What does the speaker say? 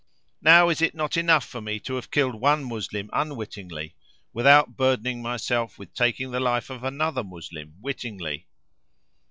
Now is it not enough for me to have killed one Moslem unwittingly, without burdening myself with taking the life of another Moslem wittingly?"